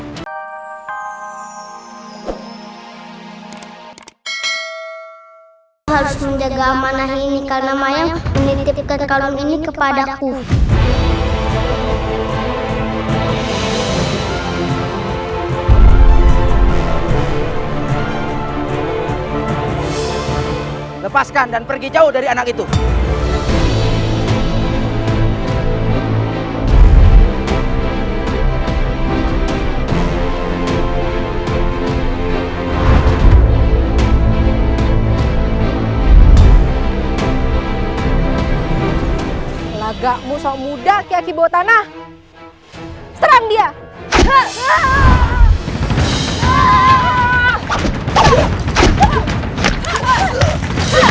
harus menjaga keamanan ini karena mayang menitipkan kalung ini kepadaku